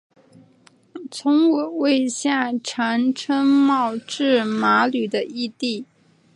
从五位下长岑茂智麻吕的义弟。